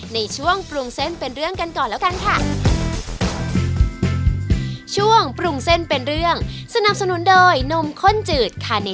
ในช่วงปรุงเส้นเป็นเรื่องกันก่อนแล้วกันค่ะ